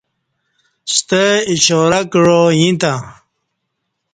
ستہ اشارہ کعا ییں تہ۔